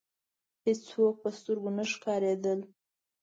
هېڅوک په سترګو نه ښکاریدل.